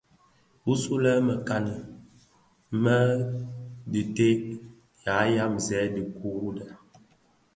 Bisule le mekani kani mè dheteb byamzèn dhiguňa kka.